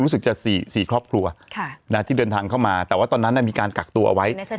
รู้สึกจะ๔ครอบครัวที่เดินทางเข้ามาแต่ว่าตอนนั้นมีการกักตัวเอาไว้